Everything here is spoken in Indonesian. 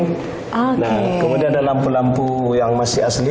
nah kemudian ada lampu lampu yang masih asli